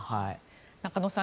中野さん